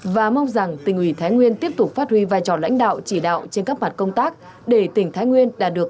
và mong rằng tỉnh ủy thái nguyên tiếp tục phát huy vai trò lãnh đạo chỉ đạo trên các mặt công tác